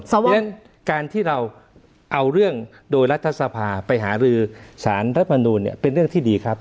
เพราะฉะนั้นการที่เราเอาเรื่องโดยรัฐสภาไปหารือสารรัฐมนูลเป็นเรื่องที่ดีครับ